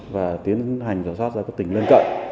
và tiến hành rào soát ra các tỉnh lên cận